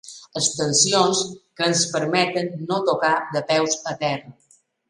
Extensions que ens permeten no tocar de peus a terra.